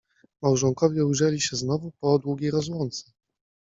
Małżonkowie ujrzeli się znowu po długiej rozłące.